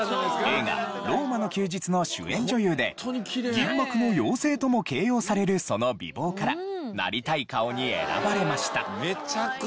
映画『ローマの休日』の主演女優で銀幕の妖精とも形容されるその美貌からなりたい顔に選ばれました。